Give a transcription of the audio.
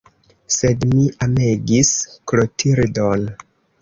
Sed mi amegis Klotildon.